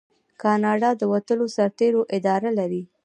کاناډا د وتلو سرتیرو اداره لري.